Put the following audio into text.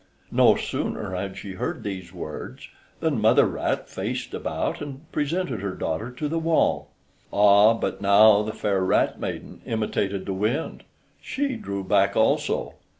No sooner had she heard these words than mother rat faced about and presented her daughter to the wall. Ah, but now the fair rat maiden imitated the wind; she drew back also.